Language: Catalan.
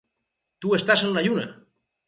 Tu estàs en la Lluna!